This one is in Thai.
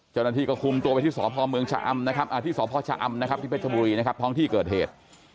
จนที่ก็คุมตัวไปที่สอพอเมืองจะอำนะครับที่เภชมุรีนะครับที่เกิดเหตุ